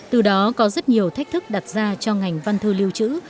từ đó có rất nhiều thách thức đặt ra cho ngành văn thư lưu trữ